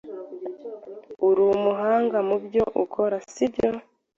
Urumuhanga mubyo ukora, sibyo?